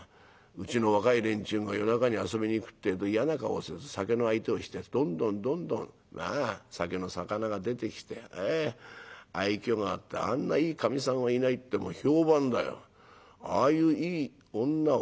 うちの若い連中が夜中に遊びに行くってえと嫌な顔せず酒の相手をしてどんどんどんどん酒の肴が出てきて愛きょうがあってあんないいかみさんはいないって評判だよああいういい女を